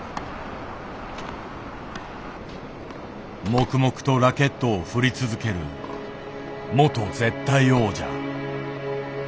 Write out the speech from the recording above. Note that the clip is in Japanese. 黙々とラケットを振り続ける元・絶対王者。